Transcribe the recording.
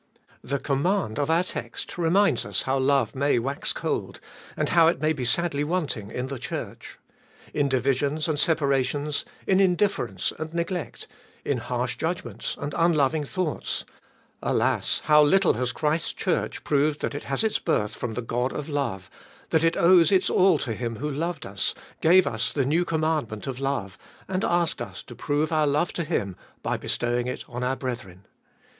The command of our text reminds us of how love may wax cold, and how it may be sadly wanting in the Church. In divisions and separations, in indifference and neglect, in harsh judgments and unloving thoughts — alas, how little has Christ's Church proved that it has its birth from the God of love, that it owes its all to Him who loved us, gave us the new command ment of love, and asked us to prove our love to Him by bestowing it on our brethren.